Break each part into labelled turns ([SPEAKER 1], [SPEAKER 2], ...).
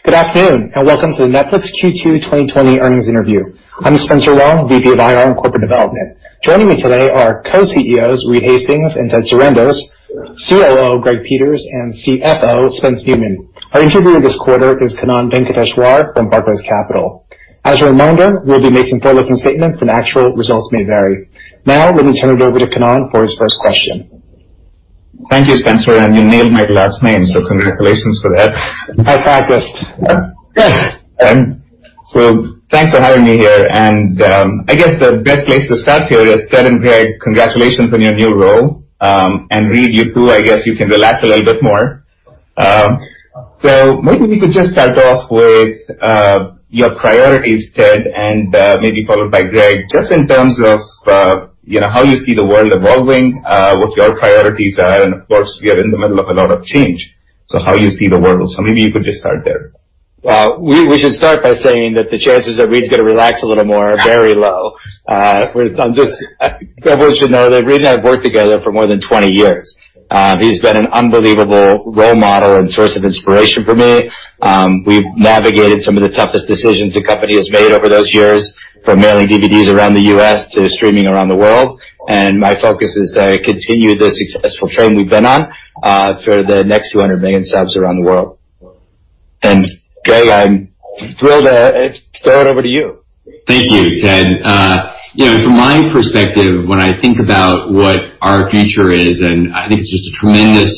[SPEAKER 1] Good afternoon, welcome to the Netflix Q2 2020 earnings interview. I'm Spencer Wang, VP of IR and Corporate Development. Joining me today are co-CEOs Reed Hastings and Ted Sarandos, COO Greg Peters, and CFO Spence Neumann. Our interviewer this quarter is Kannan Venkateshwar from Barclays Capital. As a reminder, we'll be making forward-looking statements and actual results may vary. Now let me turn it over to Kannan for his first question.
[SPEAKER 2] Thank you, Spencer, and you nailed my last name, so congratulations for that.
[SPEAKER 1] I practiced.
[SPEAKER 2] Good. Thanks for having me here, and I guess the best place to start here is Ted and Greg, congratulations on your new role. Reed, you too. I guess you can relax a little bit more. Maybe we could just start off with your priorities, Ted, and maybe followed by Greg, just in terms of how you see the world evolving, what your priorities are, and of course, we are in the middle of a lot of change, how you see the world. Maybe you could just start there.
[SPEAKER 3] Well, we should start by saying that the chances that Reed's going to relax a little more are very low. Everyone should know that Reed and I have worked together for more than 20 years. He's been an unbelievable role model and source of inspiration for me. We've navigated some of the toughest decisions the company has made over those years, from mailing DVDs around the U.S. to streaming around the world, and my focus is to continue the successful trend we've been on for the next 200 million subs around the world. Greg, I'm thrilled to throw it over to you.
[SPEAKER 4] Thank you, Ted. From my perspective, when I think about what our future is, and I think it's just a tremendous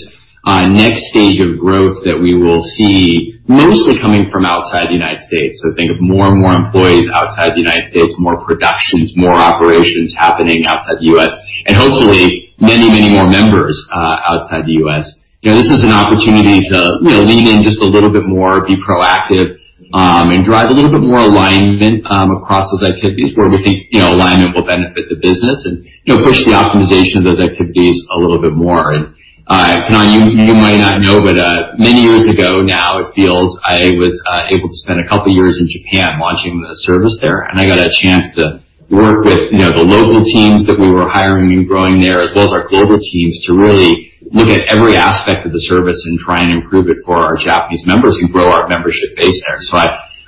[SPEAKER 4] next stage of growth that we will see mostly coming from outside the United States. Think of more and more employees outside the United States, more productions, more operations happening outside the U.S., and hopefully many, many more members outside the U.S. This is an opportunity to lean in just a little bit more, be proactive, and drive a little bit more alignment across those activities where we think alignment will benefit the business and push the optimization of those activities a little bit more. Kannan, you might not know, but many years ago now it feels, I was able to spend a couple years in Japan launching the service there, and I got a chance to work with the local teams that we were hiring and growing there, as well as our global teams, to really look at every aspect of the service and try and improve it for our Japanese members and grow our membership base there.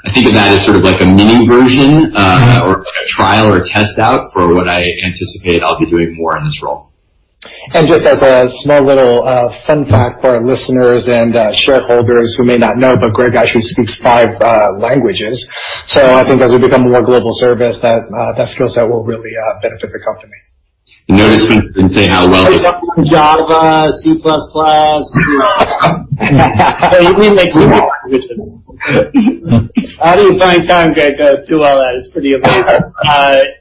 [SPEAKER 4] I think of that as sort of like a mini version. Like a trial or a test out for what I anticipate I'll be doing more in this role.
[SPEAKER 1] Just as a small little fun fact for our listeners and shareholders who may not know, Greg actually speaks five languages. I think as we become a more global service, that skill set will really benefit the company.
[SPEAKER 4] Notice he didn't say how well.
[SPEAKER 3] Java, C++ He didn't make C++ languages. How do you find time, Greg, to do all that? It's pretty amazing.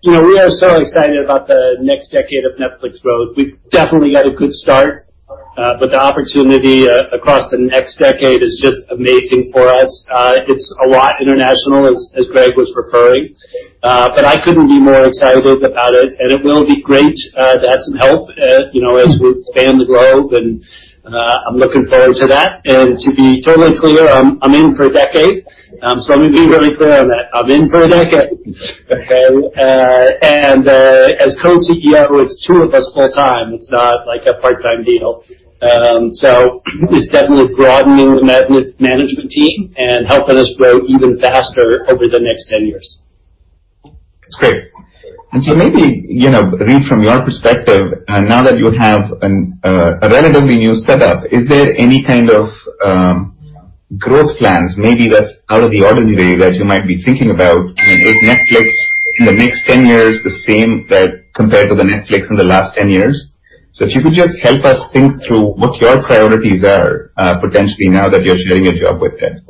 [SPEAKER 3] We are so excited about the next decade of Netflix growth. We've definitely had a good start, the opportunity across the next decade is just amazing for us. It's a lot international, as Greg was referring, I couldn't be more excited about it will be great to have some help as we expand the globe, I'm looking forward to that. To be totally clear, I'm in for a decade. Let me be really clear on that. I'm in for a decade. Okay. As co-CEO, it's two of us full time. It's not like a part-time deal. It's definitely broadening the management team and helping us grow even faster over the next 10 years.
[SPEAKER 2] That's great. Maybe, Reed, from your perspective, now that you have a relatively new setup, is there any kind of growth plans, maybe that's out of the ordinary, that you might be thinking about in Netflix in the next 10 years, the same that compared to the Netflix in the last 10 years? If you could just help us think through what your priorities are potentially now that you're sharing a job with Ted.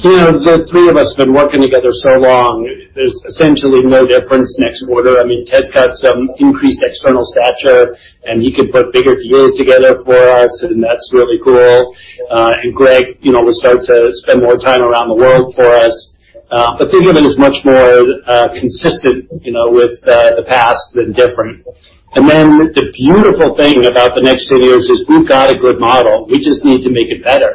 [SPEAKER 3] The three of us have been working together so long, there's essentially no difference next quarter. Ted's got some increased external stature. He can put bigger deals together for us. That's really cool. Greg will start to spend more time around the world for us. Think of it as much more consistent with the past than different. The beautiful thing about the next 10 years is we've got a good model. We just need to make it better.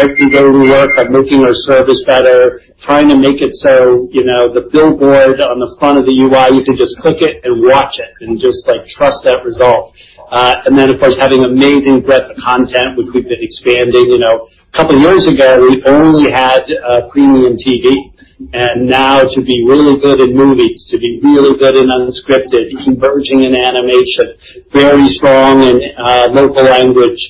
[SPEAKER 3] Every day we work on making our service better, trying to make it so the billboard on the front of the UI, you can just click it and watch it and just trust that result. Of course, having amazing breadth of content, which we've been expanding. A couple of years ago, we only had premium TV, and now to be really good in movies, to be really good in unscripted, converging in animation, very strong in local language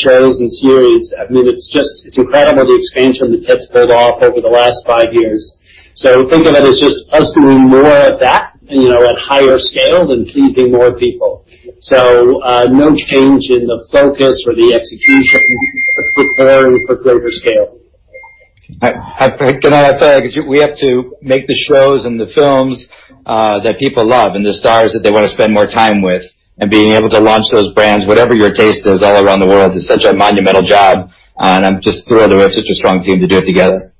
[SPEAKER 3] shows and series. It's incredible the expansion that Ted's pulled off over the last five years. Think of it as just us doing more of that at higher scale and pleasing more people. No change in the focus or the execution preparing for greater scale.
[SPEAKER 4] Kannan, I tell you, we have to make the shows and the films that people love and the stars that they want to spend more time with and being able to launch those brands, whatever your taste is all around the world, is such a monumental job, and I'm just thrilled that we have such a strong team to do it together.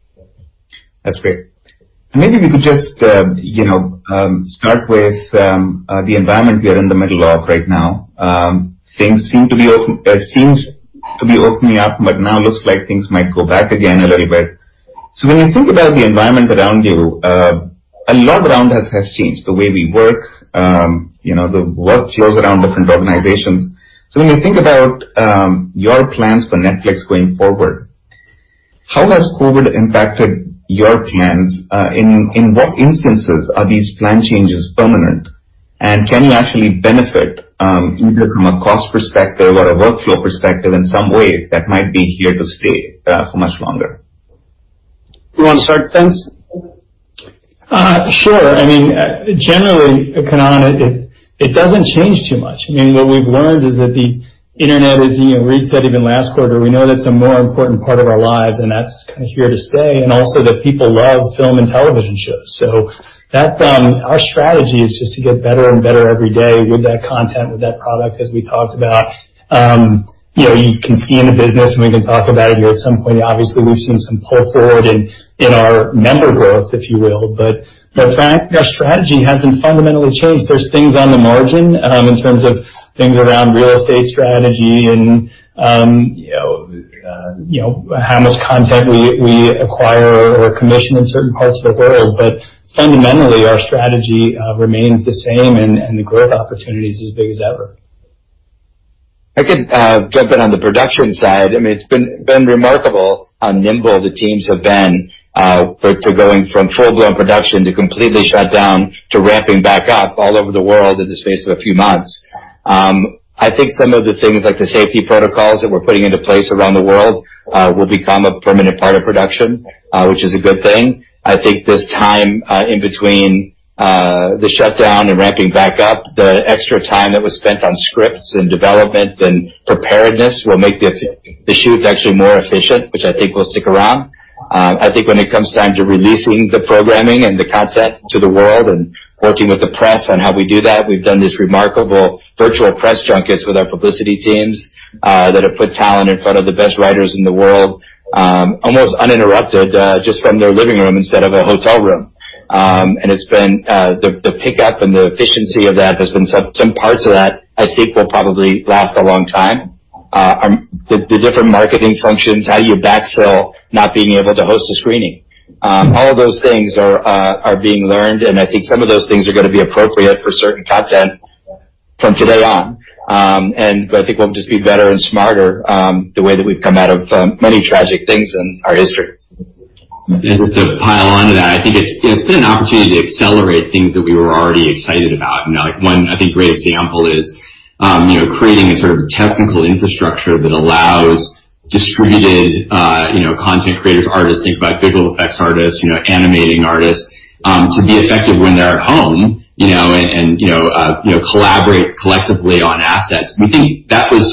[SPEAKER 2] That's great. Maybe we could just start with the environment we are in the middle of right now. Things seem to be opening up, but now looks like things might go back again a little bit. When you think about the environment around you, a lot around us has changed, the way we work, the workflows around different organizations. When you think about your plans for Netflix going forward, how has COVID impacted your plans? In what instances are these plan changes permanent? Can you actually benefit, either from a cost perspective or a workflow perspective, in some way that might be here to stay for much longer?
[SPEAKER 5] You want to start, Spence?
[SPEAKER 6] Sure. Generally, Kannan, it doesn't change too much. What we've learned is that the internet, as Reed said even last quarter, we know that's a more important part of our lives, and that's kind of here to stay, and also that people love film and television shows. Our strategy is just to get better and better every day with that content, with that product, as we talked about. You can see in the business, we can talk about it here at some point, obviously, we've seen some pull-forward in our member growth, if you will. Our strategy hasn't fundamentally changed. There's things on the margin in terms of things around real estate strategy and how much content we acquire or commission in certain parts of the world. Fundamentally, our strategy remains the same and the growth opportunity is as big as ever.
[SPEAKER 5] I could jump in on the production side. It's been remarkable how nimble the teams have been to going from full-blown production to completely shut down to ramping back up all over the world in the space of a few months. I think some of the things like the safety protocols that we're putting into place around the world will become a permanent part of production, which is a good thing. I think this time in between the shutdown and ramping back up, the extra time that was spent on scripts and development and preparedness will make the shoots actually more efficient, which I think will stick around. I think when it comes time to releasing the programming and the content to the world and working with the press on how we do that, we've done these remarkable virtual press junkets with our publicity teams that have put talent in front of the best writers in the world, almost uninterrupted, just from their living room instead of a hotel room. The pickup and the efficiency of that, some parts of that, I think, will probably last a long time. The different marketing functions, how do you backfill not being able to host a screening? All of those things are being learned, and I think some of those things are going to be appropriate for certain content from today on. I think we'll just be better and smarter, the way that we've come out of many tragic things in our history.
[SPEAKER 4] Just to pile onto that, I think it's been an opportunity to accelerate things that we were already excited about. One, I think, great example is creating a sort of technical infrastructure that allows distributed content creative artists, think about visual effects artists, animating artists, to be effective when they're at home and collaborate collectively on assets. We think that was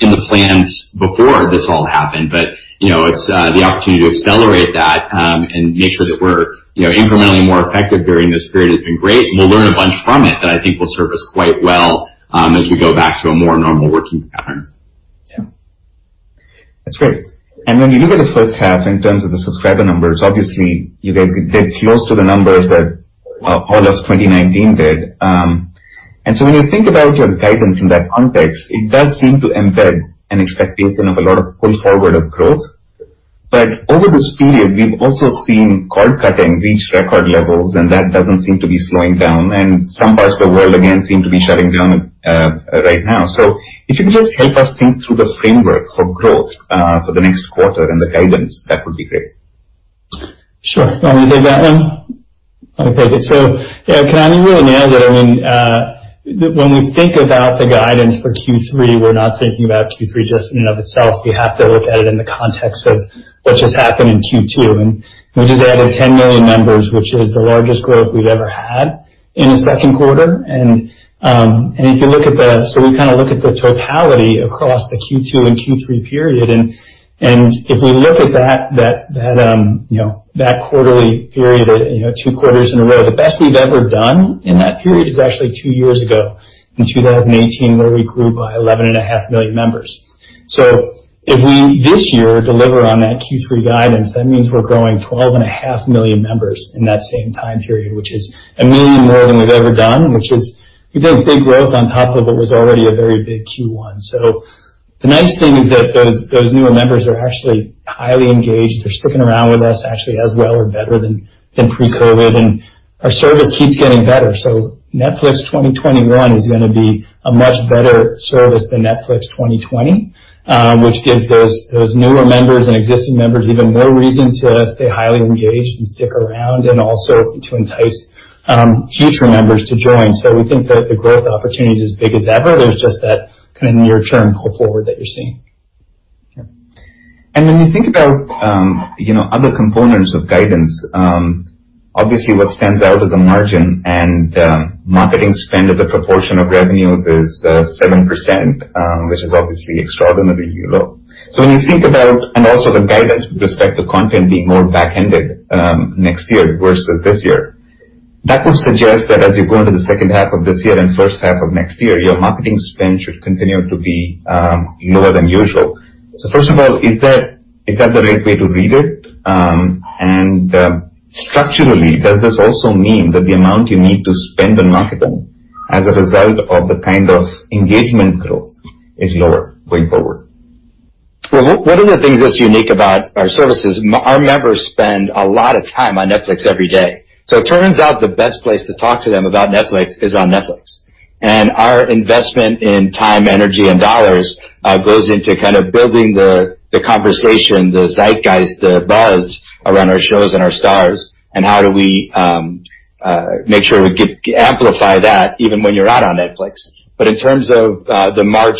[SPEAKER 4] in the plans before this all happened. The opportunity to accelerate that and make sure that we're incrementally more effective during this period has been great, and we'll learn a bunch from it that I think will serve us quite well as we go back to a more normal working pattern.
[SPEAKER 5] Yeah.
[SPEAKER 2] That's great. When you look at the first half in terms of the subscriber numbers, obviously, you guys did close to the numbers that all of 2019 did. When you think about your guidance in that context, it does seem to embed an expectation of a lot of pull forward of growth. Over this period, we've also seen cord cutting reach record levels, and that doesn't seem to be slowing down. Some parts of the world, again, seem to be shutting down right now. If you could just help us think through the framework for growth for the next quarter and the guidance, that would be great.
[SPEAKER 6] Sure. You want me to take that one? Okay. Kannan, you really nailed it. When we think about the guidance for Q3, we're not thinking about Q3 just in and of itself. We have to look at it in the context of what just happened in Q2. We just added 10 million members, which is the largest growth we've ever had in a second quarter. We kind of look at the totality across the Q2 and Q3 period. If we look at that quarterly period, two quarters in a row, the best we've ever done in that period is actually two years ago in 2018, where we grew by 11.5 million members. If we, this year, deliver on that Q3 guidance, that means we're growing 12.5 million members in that same time period, which is a million more than we've ever done, which is, we think, big growth on top of what was already a very big Q1. The nice thing is that those newer members are actually highly engaged. They're sticking around with us actually as well or better than pre-COVID, and our service keeps getting better. Netflix 2021 is going to be a much better service than Netflix 2020, which gives those newer members and existing members even more reason to stay highly engaged and stick around, and also to entice future members to join. We think that the growth opportunity is as big as ever. There's just that kind of near-term pull forward that you're seeing.
[SPEAKER 2] Yeah. When you think about other components of guidance, obviously what stands out is the margin and marketing spend as a proportion of revenues is 7%, which is obviously extraordinarily low. Also the guidance with respect to content being more back-ended next year versus this year. That would suggest that as you go into the second half of this year and first half of next year, your marketing spend should continue to be lower than usual. First of all, is that the right way to read it? Structurally, does this also mean that the amount you need to spend on marketing as a result of the kind of engagement growth is lower going forward.
[SPEAKER 5] Well, one of the things that's unique about our services, our members spend a lot of time on Netflix every day. It turns out the best place to talk to them about Netflix is on Netflix. Our investment in time, energy, and dollars goes into kind of building the conversation, the zeitgeist, the buzz around our shows and our stars, and how do we make sure we amplify that even when you're out on Netflix. In terms of the march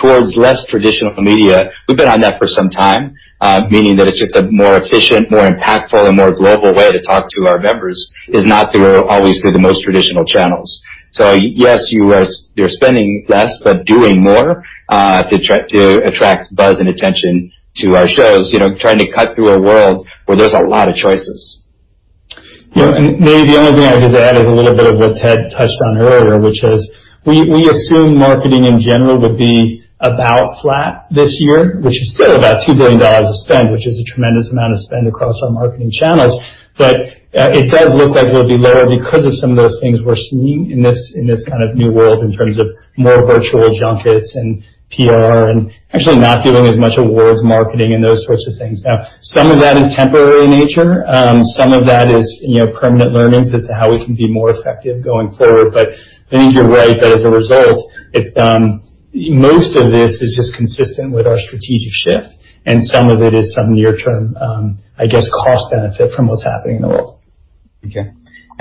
[SPEAKER 5] towards less traditional media, we've been on that for some time, meaning that it's just a more efficient, more impactful, and more global way to talk to our members is not always through the most traditional channels. Yes, you're spending less, but doing more to attract buzz and attention to our shows, trying to cut through a world where there's a lot of choices.
[SPEAKER 6] Maybe the only thing I'd just add is a little bit of what Ted touched on earlier, which is we assume marketing in general would be about flat this year, which is still about $2 billion of spend, which is a tremendous amount of spend across our marketing channels. It does look like it'll be lower because of some of those things we're seeing in this kind of new world in terms of more virtual junkets and PR and actually not doing as much awards marketing and those sorts of things. Some of that is temporary in nature. Some of that is permanent learnings as to how we can be more effective going forward. I think you're right that as a result, most of this is just consistent with our strategic shift, and some of it is some near-term, I guess, cost benefit from what's happening in the world.
[SPEAKER 2] Okay.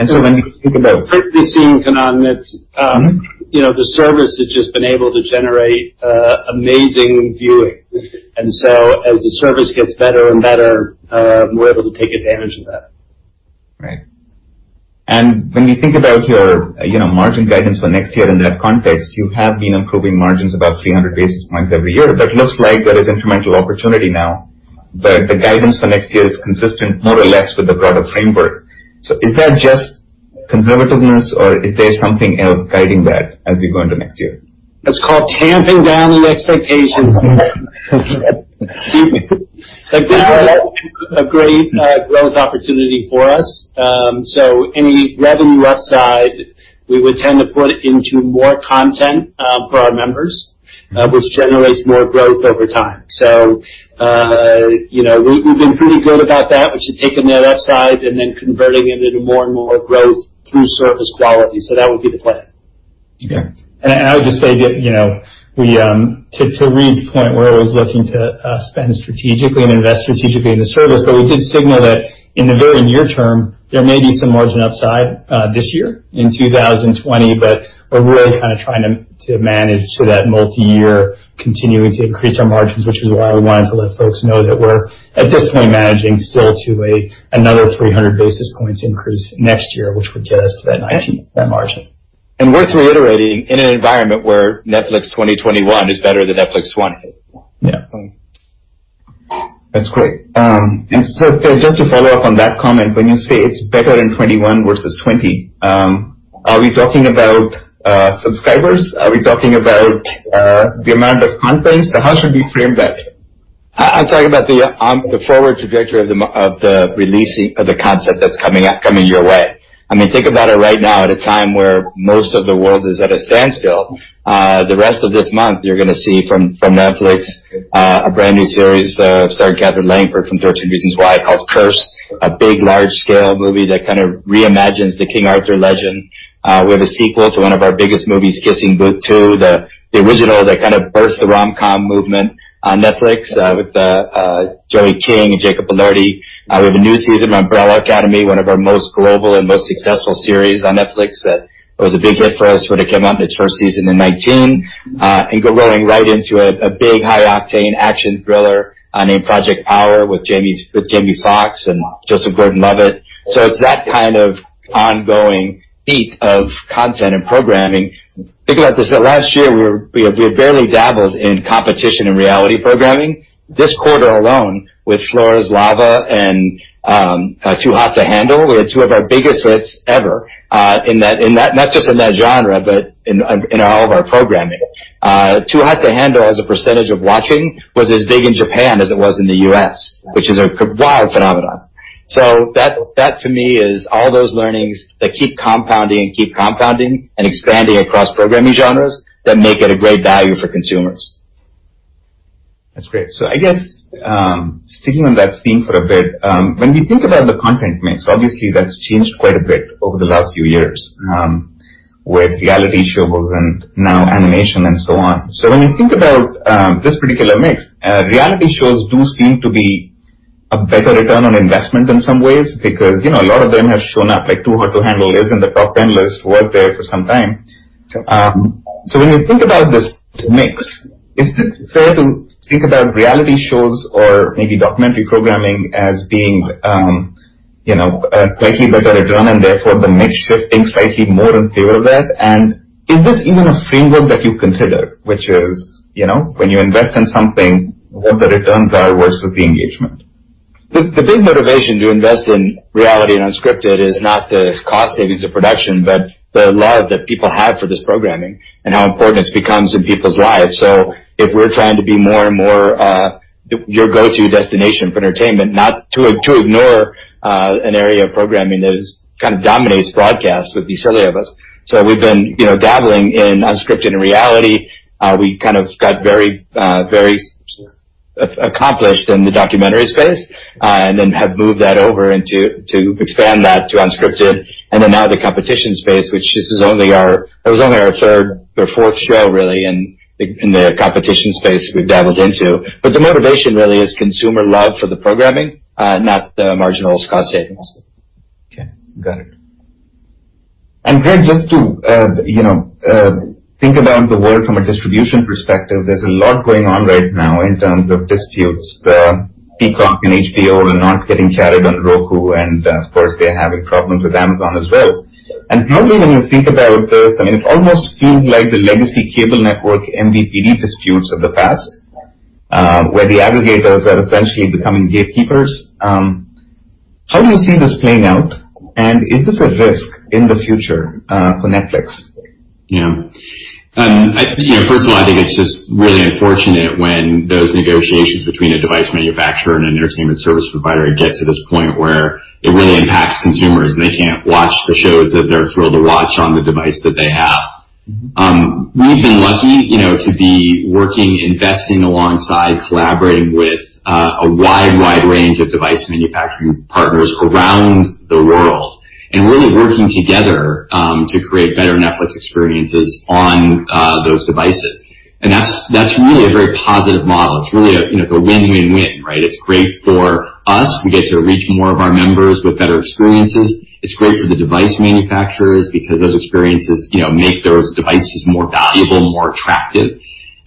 [SPEAKER 2] When you think about-
[SPEAKER 5] Kannan, on that the service has just been able to generate amazing viewing. As the service gets better and better, we're able to take advantage of that.
[SPEAKER 2] Right. When we think about your margin guidance for next year in that context, you have been improving margins about 300 basis points every year. That looks like there is incremental opportunity now, but the guidance for next year is consistent more or less with the broader framework. Is that just conservativeness or is there something else guiding that as we go into next year?
[SPEAKER 5] It's called tamping down the expectations. Excuse me. A great growth opportunity for us. Any revenue upside, we would tend to put it into more content for our members, which generates more growth over time. We've been pretty good about that, which is taking that upside and then converting it into more and more growth through service quality. That would be the plan.
[SPEAKER 2] Okay.
[SPEAKER 6] I would just say that to Reed's point, we're always looking to spend strategically and invest strategically in the service. We did signal that in the very near term, there may be some margin upside this year in 2020, but we're really kind of trying to manage so that multi-year continuing to increase our margins, which is why we wanted to let folks know that we're, at this point, managing still to another 300 basis points increase next year, which would get us to that margin.
[SPEAKER 5] Worth reiterating in an environment where Netflix 2021 is better than Netflix 2020.
[SPEAKER 6] Yeah.
[SPEAKER 2] That's great. Just to follow up on that comment, when you say it's better in 2021 versus 2020, are we talking about subscribers? Are we talking about the amount of content? How should we frame that?
[SPEAKER 5] I'm talking about the forward trajectory of the releasing of the concept that's coming your way. Think about it right now at a time where most of the world is at a standstill. The rest of this month, you're going to see from Netflix a brand-new series starring Katherine Langford from "13 Reasons Why" called "Cursed," a big, large-scale movie that kind of re-imagines the King Arthur legend. We have a sequel to one of our biggest movies, "The Kissing Booth 2," the original that kind of birthed the rom-com movement on Netflix with Joey King and Jacob Elordi. We have a new season of "The Umbrella Academy," one of our most global and most successful series on Netflix that was a big hit for us when it came out in its first season in 2019. Going right into a big high-octane action thriller named Project Power with Jamie Foxx and Joseph Gordon-Levitt. It's that kind of ongoing beat of content and programming. Think about this, that last year, we had barely dabbled in competition and reality programming. This quarter alone with Floor Is Lava and Too Hot to Handle, we had two of our biggest hits ever, not just in that genre, but in all of our programming. Too Hot to Handle as a percentage of watching was as big in Japan as it was in the U.S., which is a wild phenomenon. That to me is all those learnings that keep compounding and expanding across programming genres that make it a great value for consumers.
[SPEAKER 2] That's great. I guess sticking on that theme for a bit, when we think about the content mix, obviously that's changed quite a bit over the last few years with reality shows and now animation and so on. When you think about this particular mix, reality shows do seem to be a better return on investment in some ways because a lot of them have shown up, like Too Hot to Handle is in the top 10 list, was there for some time. Is this even a framework that you consider, which is when you invest in something, what the returns are versus the engagement?
[SPEAKER 4] The big motivation to invest in reality and unscripted is not the cost savings of production, but the love that people have for this programming and how important it's become in people's lives. If we're trying to be more and more your go-to destination for entertainment, not to ignore an area of programming that kind of dominates broadcast would be silly of us. We've been dabbling in unscripted and reality. We kind of got very accomplished in the documentary space, and then have moved that over to expand that to unscripted and then now the competition space, which this is only our third or fourth show really in the competition space we've dabbled into. The motivation really is consumer love for the programming, not the marginal cost savings.
[SPEAKER 2] Okay, got it. Greg, just to think about the world from a distribution perspective, there's a lot going on right now in terms of disputes. Peacock and HBO are not getting carried on Roku. Of course, they're having problems with Amazon as well. Globally, when you think about this, I mean, it almost feels like the legacy cable network MVPD disputes of the past, where the aggregators are essentially becoming gatekeepers. How do you see this playing out, and is this a risk in the future for Netflix?
[SPEAKER 4] First of all, I think it's just really unfortunate when those negotiations between a device manufacturer and an entertainment service provider get to this point where it really impacts consumers, and they can't watch the shows that they're thrilled to watch on the device that they have. We've been lucky to be working, investing alongside, collaborating with a wide range of device manufacturing partners around the world and really working together, to create better Netflix experiences on those devices. That's really a very positive model. It's a win-win-win, right? It's great for us. We get to reach more of our members with better experiences. It's great for the device manufacturers because those experiences make those devices more valuable, more attractive.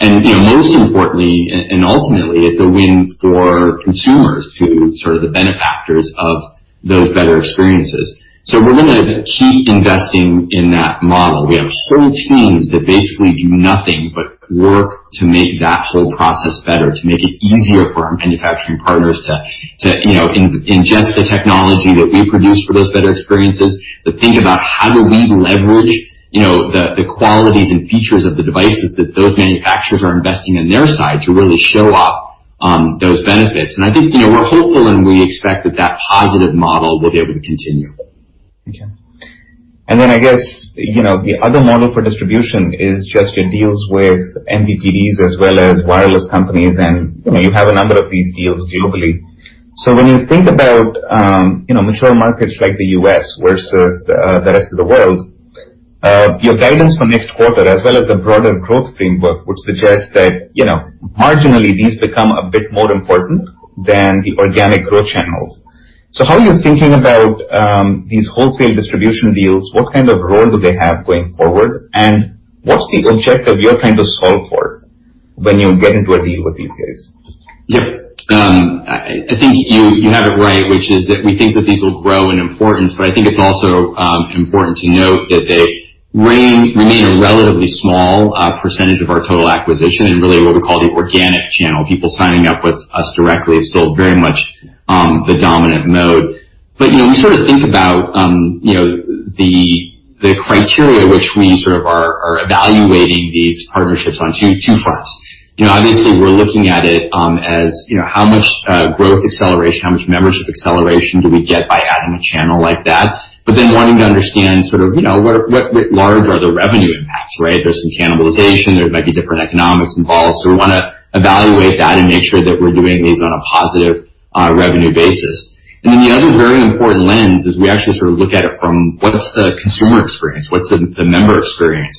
[SPEAKER 4] Most importantly, and ultimately, it's a win for consumers who are sort of the benefactors of those better experiences. We're going to keep investing in that model. We have whole teams that basically do nothing but work to make that whole process better, to make it easier for our manufacturing partners to ingest the technology that we produce for those better experiences, to think about how do we leverage the qualities and features of the devices that those manufacturers are investing in their side to really show off those benefits. I think we're hopeful, and we expect that that positive model will be able to continue.
[SPEAKER 2] Okay. I guess, the other model for distribution is just your deals with MVPDs as well as wireless companies, and you have a number of these deals globally. When you think about mature markets like the U.S. versus the rest of the world, your guidance for next quarter as well as the broader growth framework would suggest that marginally, these become a bit more important than the organic growth channels. How are you thinking about these wholesale distribution deals? What kind of role do they have going forward? What's the objective you're trying to solve for when you get into a deal with these guys?
[SPEAKER 4] Yep. I think you have it right, which is that we think that these will grow in importance, but I think it's also important to note that they remain a relatively small percentage of our total acquisition and really what we call the organic channel. People signing up with us directly is still very much the dominant mode. We think about the criteria which we are evaluating these partnerships on two fronts. Obviously, we're looking at it as how much growth acceleration, how much membership acceleration do we get by adding a channel like that? Wanting to understand what large are the revenue impacts, right? There's some cannibalization. There might be different economics involved. We want to evaluate that and make sure that we're doing these on a positive revenue basis. The other very important lens is we actually look at it from what's the consumer experience, what's the member experience?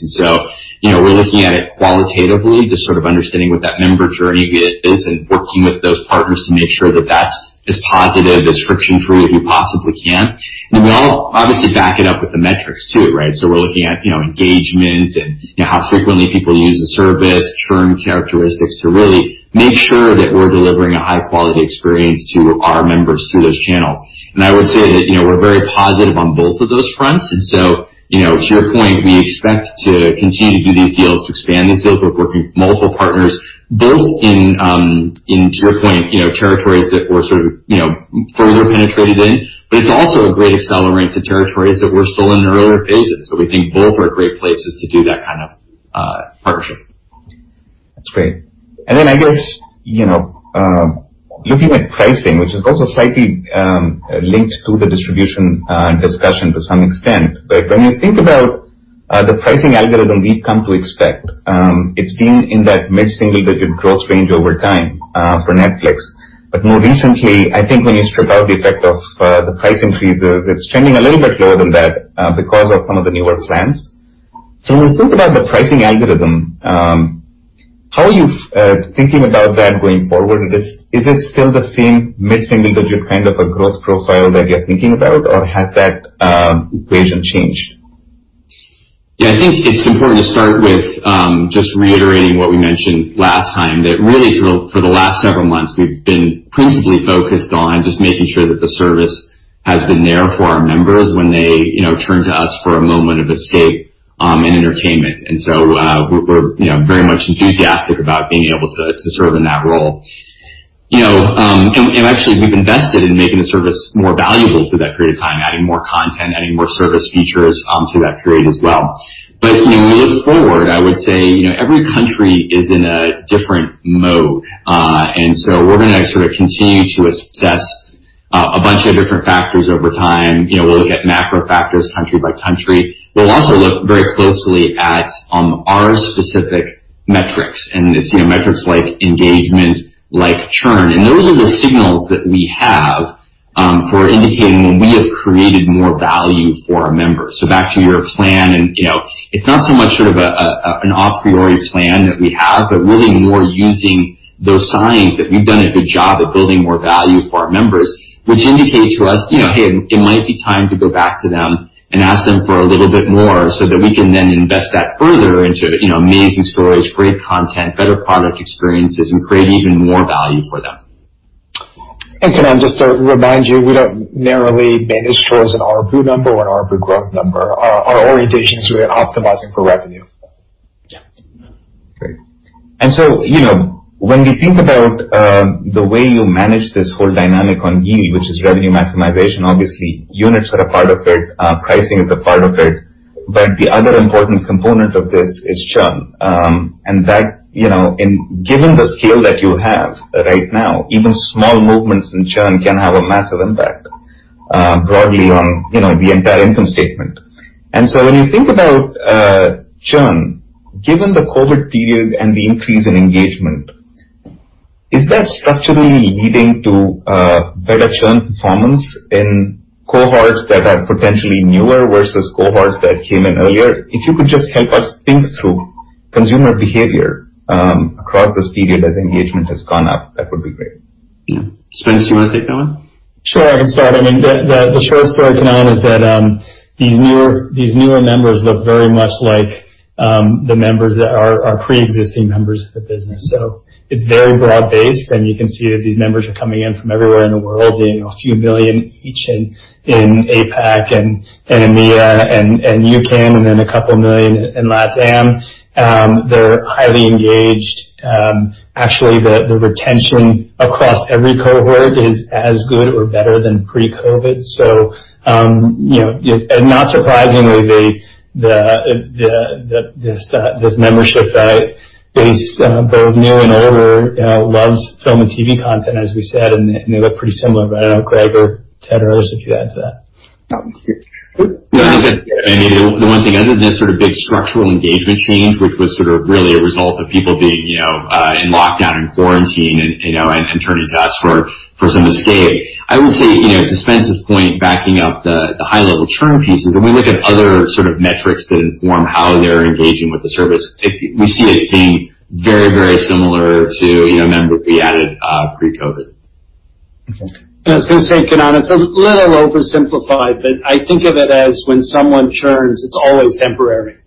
[SPEAKER 4] We're looking at it qualitatively, just sort of understanding what that member journey is and working with those partners to make sure that that's as positive, as friction-free as we possibly can. We all obviously back it up with the metrics, too, right? We're looking at engagement and how frequently people use the service, churn characteristics to really make sure that we're delivering a high-quality experience to our members through those channels. I would say that we're very positive on both of those fronts. To your point, we expect to continue to do these deals, to expand these deals. We're working with multiple partners, both in, to your point, territories that we're sort of further penetrated in. It's also a great accelerant to territories that we're still in the earlier phases. We think both are great places to do that kind of partnership.
[SPEAKER 2] That's great. Then I guess, looking at pricing, which is also slightly linked to the distribution discussion to some extent. When you think about the pricing algorithm we've come to expect, it's been in that mid-single-digit growth range over time for Netflix. More recently, I think when you strip out the effect of the price increases, it's trending a little bit lower than that because of some of the newer plans. When you think about the pricing algorithm, how are you thinking about that going forward? Is it still the same mid-single-digit kind of a growth profile that you're thinking about, or has that equation changed?
[SPEAKER 4] I think it's important to start with just reiterating what we mentioned last time, that really for the last several months, we've been principally focused on just making sure that the service has been there for our members when they turn to us for a moment of escape and entertainment. We're very much enthusiastic about being able to serve in that role. Actually, we've invested in making the service more valuable through that period of time, adding more content, adding more service features to that period as well. When we look forward, I would say, every country is in a different mode. We're going to sort of continue to assess a bunch of different factors over time. We'll look at macro factors country by country. We'll also look very closely at our specific metrics. It's metrics like engagement, like churn. Those are the signals that we have for indicating when we have created more value for our members. Back to your plan, and it's not so much sort of an a priori plan that we have, but really more using those signs that we've done a good job at building more value for our members, which indicates to us, "Hey, it might be time to go back to them and ask them for a little bit more so that we can then invest that further into amazing stories, great content, better product experiences, and create even more value for them.
[SPEAKER 6] Can I just remind you, we don't narrowly manage towards an ARPU number or an ARPU growth number. Our orientation is really optimizing for revenue.
[SPEAKER 4] Yeah.
[SPEAKER 6] Great.
[SPEAKER 2] When we think about the way you manage this whole dynamic on yield, which is revenue maximization, obviously units are a part of it, pricing is a part of it, but the other important component of this is churn. Given the scale that you have right now, even small movements in churn can have a massive impact broadly on the entire income statement. When you think about churn, given the COVID period and the increase in engagement, is that structurally leading to better churn performance in cohorts that are potentially newer versus cohorts that came in earlier? If you could just help us think through consumer behavior across this period as engagement has gone up, that would be great.
[SPEAKER 4] Spencer, do you want to take that one?
[SPEAKER 6] Sure, I can start. The short story, Kannan, is that these newer members look very much like the members that are our preexisting members of the business. It's very broad-based, and you can see that these members are coming in from everywhere in the world, being a few million each in APAC and EMEA and UCAN, and then a couple million in LATAM. They're highly engaged. Actually, the retention across every cohort is as good or better than pre-COVID. Not surprisingly, this membership base both new and older, loves film and TV content, as we said, and they look pretty similar. I don't know, Greg or Ted or others, if you'd add to that.
[SPEAKER 4] The one thing other than the sort of big structural engagement change, which was sort of really a result of people being in lockdown and quarantine and turning to us for some escape, I would say, to Spencer's point, backing up the high-level churn pieces, when we look at other sort of metrics that inform how they're engaging with the service, we see it being very similar to a member we added pre-COVID.
[SPEAKER 6] Okay.
[SPEAKER 3] I was going to say, Kannan, it's a little oversimplified, but I think of it as when someone churns, it's always temporary.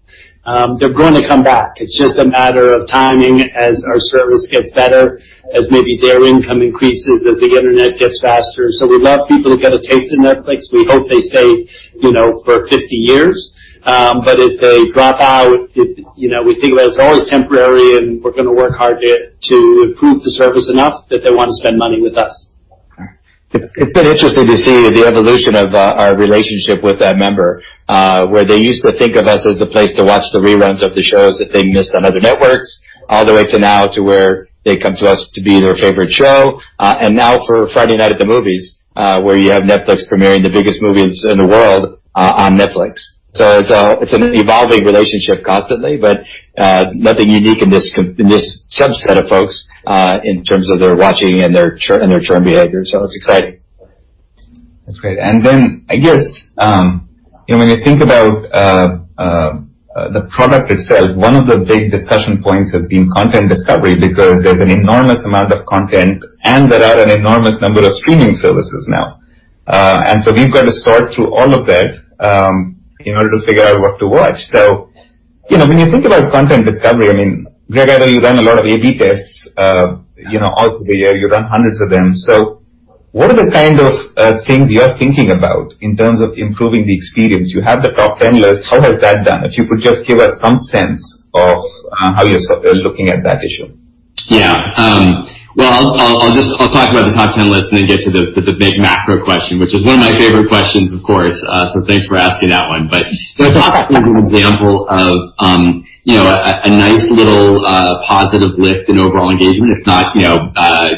[SPEAKER 3] They're going to come back. It's just a matter of timing as our service gets better, as maybe their income increases, as the internet gets faster. We love people who get a taste of Netflix. We hope they stay for 50 years. If they drop out, we think of it as always temporary, and we're going to work hard to improve the service enough that they want to spend money with us.
[SPEAKER 4] It's been interesting to see the evolution of our relationship with that member where they used to think of us as the place to watch the reruns of the shows that they missed on other networks, all the way to now to where they come to us to be their favorite show. Now for Friday night at the movies, where you have Netflix premiering the biggest movies in the world on Netflix. It's an evolving relationship constantly, but nothing unique in this subset of folks in terms of their watching and their churn behavior. It's exciting.
[SPEAKER 2] That's great. When you think about the product itself, one of the big discussion points has been content discovery because there's an enormous amount of content, and there are an enormous number of streaming services now. We've got to sort through all of that in order to figure out what to watch. When you think about content discovery, I mean, Greg, I know you run a lot of A/B tests all through the year. You run hundreds of them. What are the kind of things you're thinking about in terms of improving the experience? You have the top 10 list. How has that done? If you could just give us some sense of how you're looking at that issue.
[SPEAKER 4] Yeah. Well, I'll talk about the top 10 list and then get to the big macro question, which is one of my favorite questions, of course. Thanks for asking that one. The top 10 is an example of a nice little positive lift in overall engagement, if not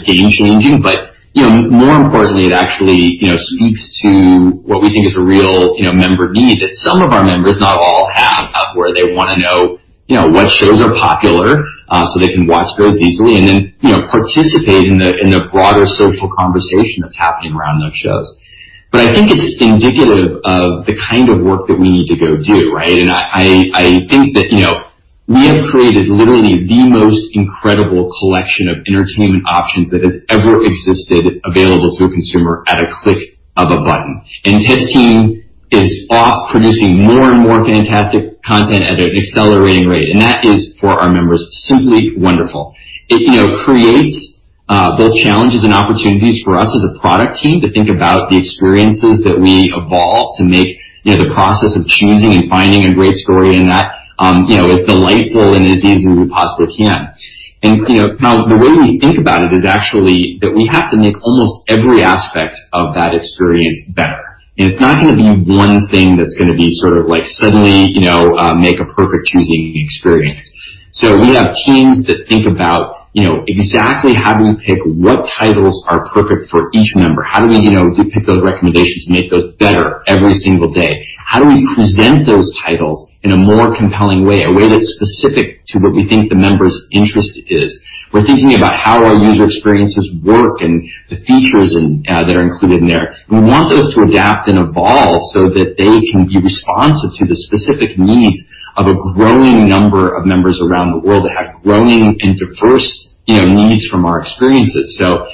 [SPEAKER 4] game-changing. More importantly, it actually speaks to what we think is a real member need that some of our members, not all, have where they want to know what shows are popular. They can watch those easily and then participate in the broader social conversation that's happening around those shows. I think it's indicative of the kind of work that we need to go do, right? I think that we have created literally the most incredible collection of entertainment options that have ever existed available to a consumer at a click of a button. Ted's team is off producing more and more fantastic content at an accelerating rate. That is for our members, simply wonderful. It creates both challenges and opportunities for us as a product team to think about the experiences that we evolve to make the process of choosing and finding a great story, and that is delightful and as easy as we possibly can. Now the way we think about it is actually that we have to make almost every aspect of that experience better. It's not going to be one thing that's going to be sort of like suddenly make a perfect choosing experience. We have teams that think about exactly how do we pick what titles are perfect for each member? How do we pick those recommendations and make those better every single day? How do we present those titles in a more compelling way, a way that's specific to what we think the member's interest is? We're thinking about how our user experiences work and the features that are included in there. We want those to adapt and evolve so that they can be responsive to the specific needs of a growing number of members around the world that have growing and diverse needs from our experiences. Perhaps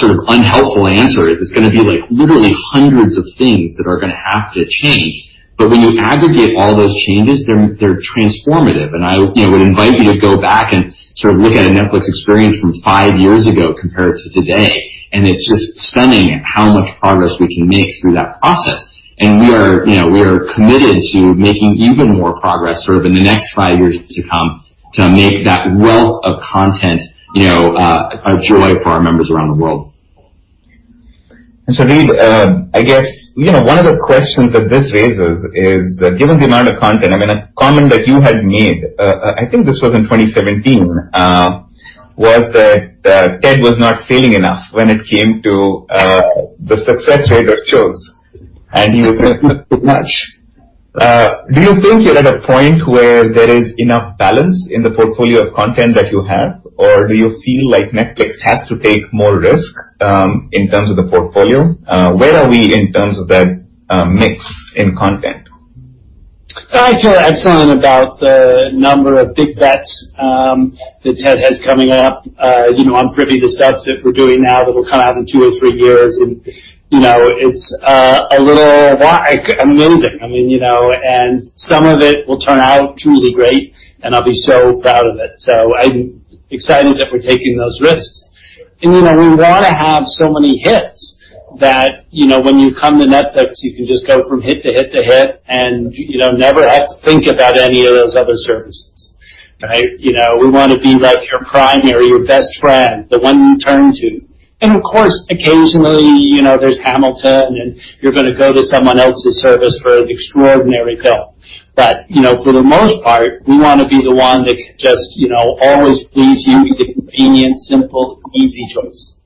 [SPEAKER 4] the unhelpful answer is it's going to be literally hundreds of things that are going to have to change. When you aggregate all those changes, they're transformative. I would invite you to go back and look at a Netflix experience from five years ago compared to today, and it's just stunning how much progress we can make through that process. We are committed to making even more progress in the next five years to come to make that wealth of content a joy for our members around the world.
[SPEAKER 2] Reed, I guess one of the questions that this raises is, given the amount of content, a comment that you had made, I think this was in 2017, was that Ted was not failing enough when it came to the success rate of shows, and he was too much. Do you think you're at a point where there is enough balance in the portfolio of content that you have, or do you feel like Netflix has to take more risk in terms of the portfolio? Where are we in terms of that mix in content?
[SPEAKER 3] I hear excellent about the number of big bets that Ted has coming up. I'm privy to stuff that we're doing now that will come out in two or three years, and it's a little amazing. Some of it will turn out truly great, and I'll be so proud of it. I'm excited that we're taking those risks. We want to have so many hits that when you come to Netflix, you can just go from hit to hit to hit and never have to think about any of those other services. Right? We want to be your primary, your best friend, the one you turn to. Of course, occasionally, there's "Hamilton," and you're going to go to someone else's service for an extraordinary film. For the most part, we want to be the one that just always please you with the convenient, simple, easy choice.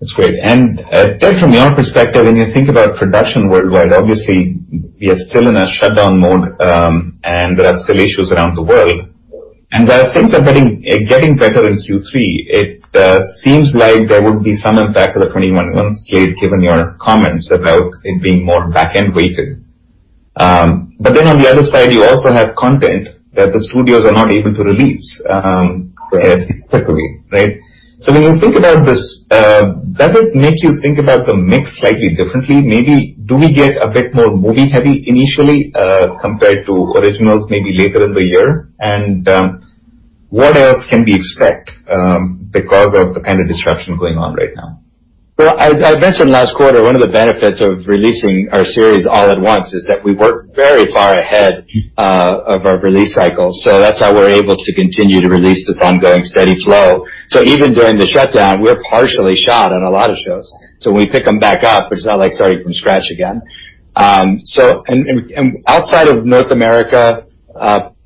[SPEAKER 2] That's great. Ted, from your perspective, when you think about production worldwide, obviously we are still in a shutdown mode, and there are still issues around the world. While things are getting better in Q3, it seems like there would be some impact for the 2021 ones, given your comments about it being more back-end weighted. On the other side, you also have content that the studios are not able to release ahead quickly, right? When you think about this, does it make you think about the mix slightly differently? Maybe do we get a bit more movie-heavy initially compared to originals maybe later in the year? What else can we expect because of the kind of disruption going on right now?
[SPEAKER 4] Well, I mentioned last quarter, one of the benefits of releasing our series all at once is that we work very far ahead of our release cycle. That's how we're able to continue to release this ongoing steady flow. Even during the shutdown, we're partially shot on a lot of shows. When we pick them back up, it's not like starting from scratch again. Outside of North America,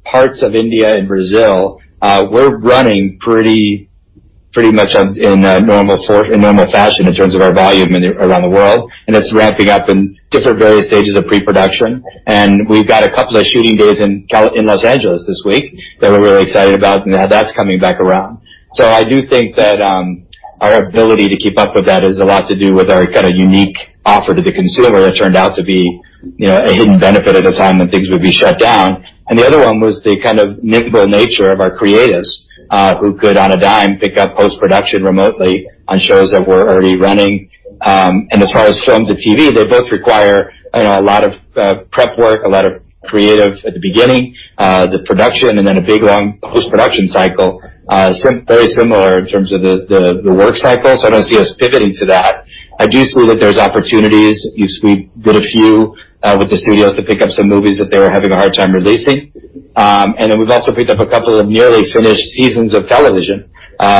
[SPEAKER 4] parts of India and Brazil, we're running pretty much in normal fashion in terms of our volume around the world, and it's ramping up in different various stages of pre-production. We've got a couple of shooting days in Los Angeles this week that we're really excited about now that's coming back around. I do think that our ability to keep up with that is a lot to do with our kind of unique offer to the consumer that turned out to be a hidden benefit at a time when things would be shut down. The other one was the kind of nimble nature of our creatives who could, on a dime, pick up post-production remotely on shows that were already running. As far as film to TV, they both require a lot of prep work, a lot of creative at the beginning, the production, and then a big long post-production cycle. Very similar in terms of the work cycle, so I don't see us pivoting to that. I do see that there's opportunities. We did a few with the studios to pick up some movies that they were having a hard time releasing. We've also picked up a couple of nearly finished seasons of television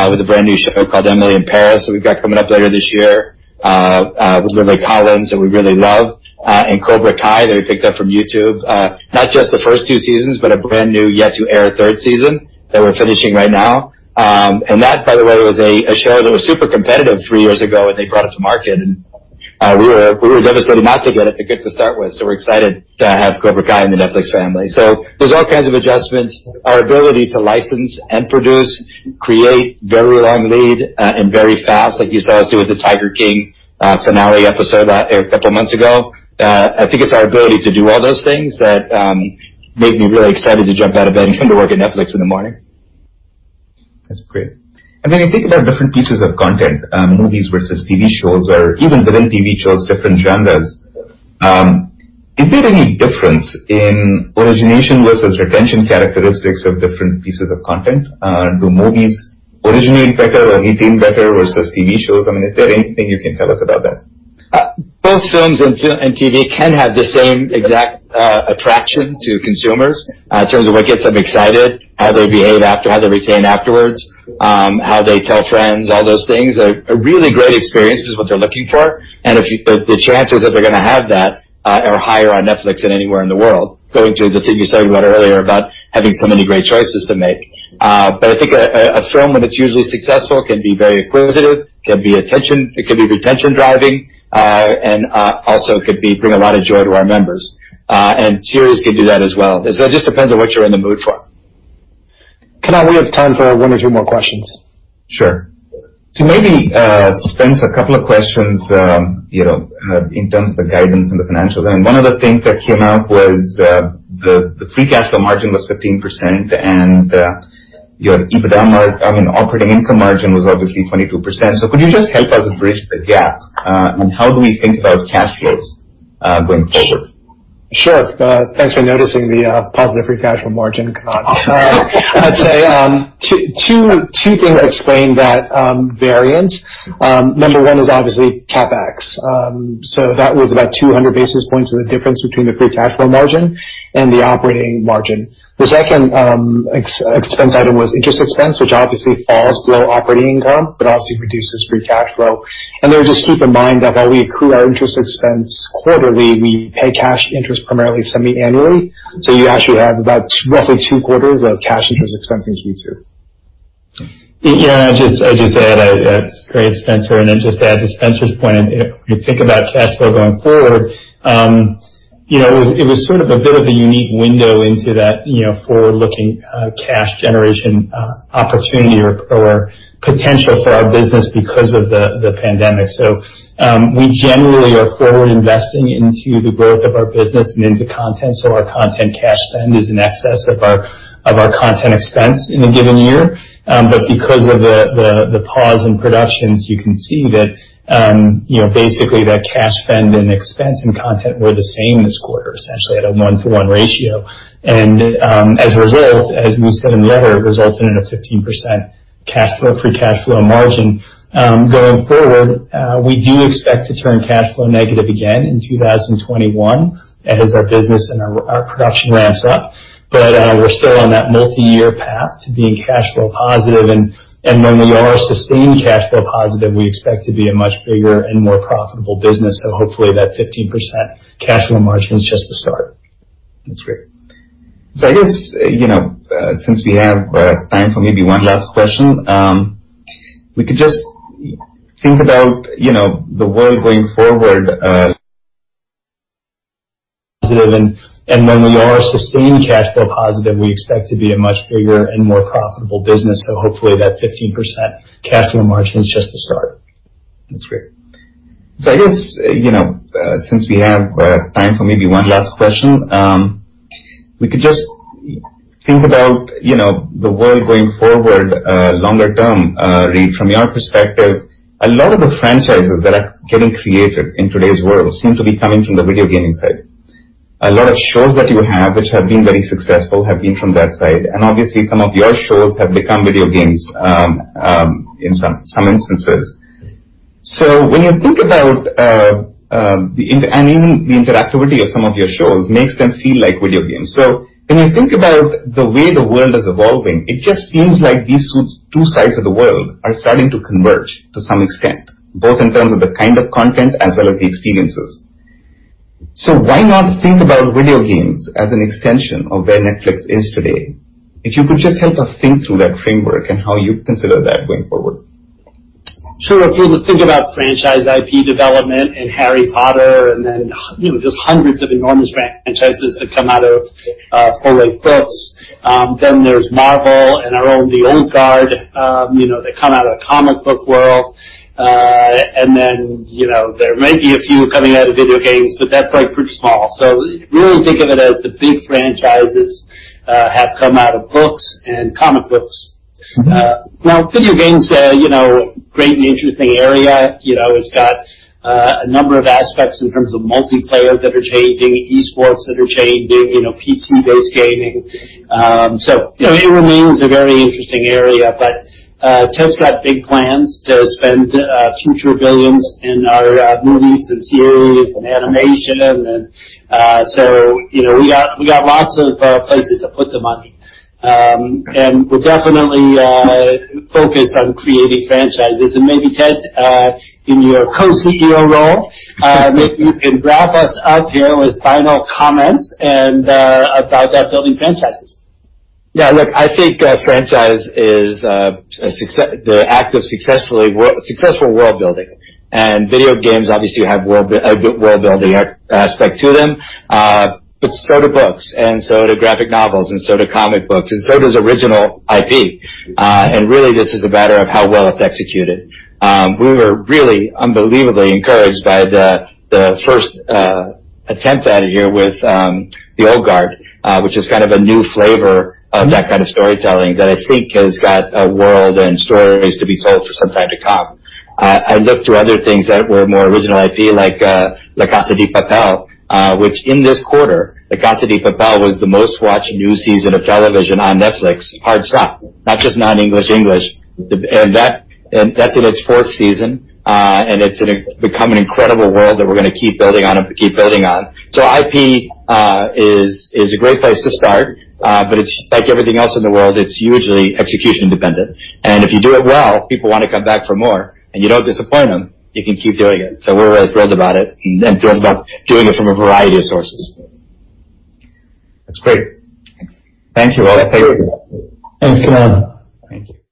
[SPEAKER 4] with a brand new show called "Emily in Paris" that we've got coming up later this year with Lily Collins, who we really love. "Cobra Kai" that we picked up from YouTube. Not just the first two seasons, but a brand-new, yet-to-air third season that we're finishing right now. That, by the way, was a show that was super competitive three years ago when they brought it to market, and we were devastated not to get it to start with. We're excited to have "Cobra Kai" in the Netflix family. There's all kinds of adjustments. Our ability to license and produce, create very long lead and very fast, like you saw us do with the "Tiger King" finale episode a couple of months ago. I think it's our ability to do all those things that make me really excited to jump out of bed and come to work at Netflix in the morning.
[SPEAKER 2] That's great. When you think about different pieces of content, movies versus TV shows or even within TV shows, different genres. Is there any difference in origination versus retention characteristics of different pieces of content? Do movies originate better or retain better versus TV shows? Is there anything you can tell us about that?
[SPEAKER 5] Both films and TV can have the same exact attraction to consumers in terms of what gets them excited, how they behave after, how they retain afterwards, how they tell friends, all those things. A really great experience is what they're looking for. The chances that they're going to have that are higher on Netflix than anywhere in the world. Going to the thing you said about earlier about having so many great choices to make. I think a film that's usually successful can be very acquisitive, it can be retention driving, and also could bring a lot of joy to our members. Series can do that as well. It just depends on what you're in the mood for.
[SPEAKER 1] Kannan, we have time for one or two more questions.
[SPEAKER 2] Sure. Maybe, Spencer, a couple of questions in terms of the guidance and the financial end. One of the things that came out was the free cash flow margin was 15% and your operating income margin was obviously 22%. Could you just help us bridge the gap on how do we think about cash flows going forward?
[SPEAKER 1] Sure. Thanks for noticing the positive free cash flow margin. Two things explain that variance. Number one is obviously CapEx. That was about 200 basis points of the difference between the free cash flow margin and the operating margin. The second expense item was interest expense, which obviously falls below operating income, but obviously reduces free cash flow. Just keep in mind that while we accrue our interest expense quarterly, we pay cash interest primarily semi-annually. You actually have about roughly two quarters of cash interest expense in Q2.
[SPEAKER 6] I'll just add, great Spencer. Just to add to Spencer's point, when you think about cash flow going forward, it was a bit of a unique window into that forward-looking cash generation opportunity or potential for our business because of the pandemic. We generally are forward investing into the growth of our business and into content. Our content cash spend is in excess of our content expense in a given year. Because of the pause in productions, you can see that basically that cash spend and expense and content were the same this quarter, essentially at a one-to-one ratio. As a result, as we said in the letter, it resulted in a 15% free cash flow margin. Going forward, we do expect to turn cash flow negative again in 2021 as our business and our production ramps up. We're still on that multi-year path to being cash flow positive. When we are sustained cash flow positive, we expect to be a much bigger and more profitable business. Hopefully, that 15% cash flow margin is just the start.
[SPEAKER 2] That's great. I guess since we have time for maybe one last question, we could just think about the world going forward.
[SPEAKER 6] When we are sustained cash flow positive, we expect to be a much bigger and more profitable business. Hopefully that 15% cash flow margin is just the start.
[SPEAKER 2] That's great. I guess, since we have time for maybe one last question, we could just think about the world going forward longer term. Reed, from your perspective, a lot of the franchises that are getting created in today's world seem to be coming from the video gaming side. A lot of shows that you have, which have been very successful, have been from that side. Obviously some of your shows have become video games in some instances. Even the interactivity of some of your shows makes them feel like video games. When you think about the way the world is evolving, it just seems like these two sides of the world are starting to converge to some extent, both in terms of the kind of content as well as the experiences. Why not think about video games as an extension of where Netflix is today? If you could just help us think through that framework and how you consider that going forward.
[SPEAKER 3] Sure. If you think about franchise IP development and "Harry Potter" and then just hundreds of enormous franchises that come out of full-length books. There's Marvel and our own "The Old Guard" that come out of the comic book world. There may be a few coming out of video games, but that's pretty small. Really think of it as the big franchises have come out of books and comic books. Video games, great and interesting area. It's got a number of aspects in terms of multiplayer that are changing, esports that are changing, PC-based gaming. It remains a very interesting area, but Ted's got big plans to spend future billions in our movies and series and animation. We got lots of places to put the money. We're definitely focused on creating franchises. Maybe Ted, in your co-CEO role, maybe you can wrap us up here with final comments and about building franchises.
[SPEAKER 6] Yeah, look, I think franchise is the act of successful world-building. Video games obviously have world-building aspect to them, but so do books, and so do graphic novels, and so do comic books, and so does original IP. Really, this is a matter of how well it's executed. We were really unbelievably encouraged by the first attempt at it here with "The Old Guard," which is kind of a new flavor of that kind of storytelling that I think has got a world and stories to be told for some time to come. I look to other things that were more original IP, like "La Casa de Papel," which in this quarter, "La Casa de Papel" was the most-watched new season of television on Netflix, hands down, not just non-English English. That's in its fourth season, and it's become an incredible world that we're going to keep building on. IP is a great place to start. Like everything else in the world, it's hugely execution dependent. If you do it well, people want to come back for more, and you don't disappoint them, you can keep doing it. We're really thrilled about it and thrilled about doing it from a variety of sources.
[SPEAKER 2] That's great. Thank you all. Take care.
[SPEAKER 1] Thanks, Kan.
[SPEAKER 2] Thank you.